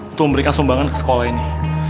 untuk memberikan sumbangan ke sekolah ini